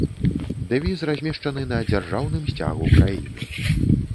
Дэвіз размешчаны на дзяржаўным сцягу краіны.